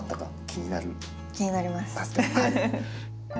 気になります。